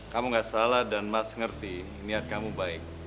kamu gak salah dan mas ngerti niat kamu baik